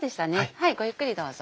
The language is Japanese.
はいごゆっくりどうぞ。